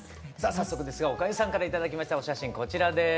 早速ですがおかゆさんから頂きましたお写真こちらです。